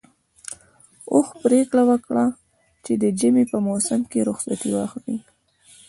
اوښ پرېکړه وکړه چې د ژمي په موسم کې رخصتي واخلي.